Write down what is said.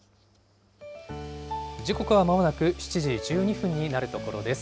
時刻はまもなく７時１２分になるところです。